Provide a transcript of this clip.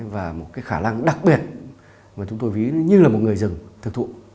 và một cái khả năng đặc biệt mà chúng tôi ví như là một người rừng thực thụ